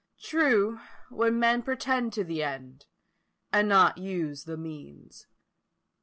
True, when men pretend to the end, and not use the means.